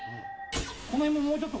このへんももうちょっと。